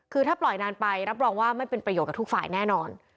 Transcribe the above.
คือถ้าปล่อยนานไปรับรองว่าไม่เป็นประโยชนกับทุกฝ่ายแน่นอน